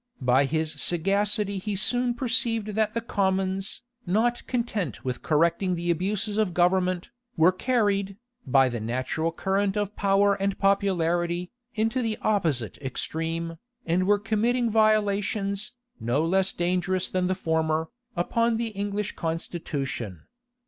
By his sagacity he soon perceived that the commons, not content with correcting the abuses of government, were carried, by the natural current of power and popularity, into the opposite extreme, and were committing violations, no less dangerous than the former, upon the English constitution.